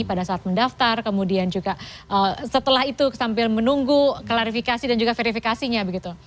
pada saat mendaftar kemudian juga setelah itu sambil menunggu klarifikasi dan juga verifikasinya begitu